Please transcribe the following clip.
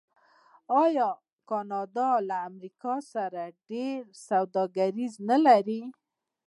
آیا کاناډا له امریکا سره ډیره سوداګري نلري؟